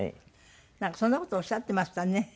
なんかそんな事おっしゃってましたね。